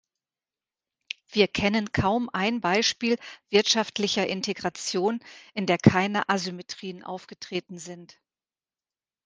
Wir kennen kaum ein Beispiel wirtschaftlicher Integration, in der keine Asymmetrien aufgetreten sind.